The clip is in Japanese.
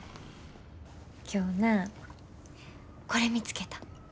今日なこれ見つけた。